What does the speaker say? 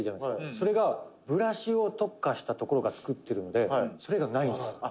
「それが、ブラシを特化したところが作ってるのでそれが、ないんですよ」